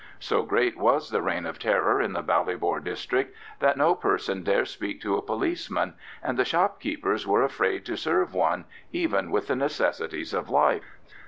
So great was the "Reign of Terror" in the Ballybor district that no person dare speak to a policeman, and the shopkeepers were afraid to serve one, even with the necessities of life.